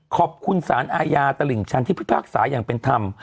ขอบคุณสารอาญาตลิ่งชันที่พิพากษาอย่างเป็นธรรม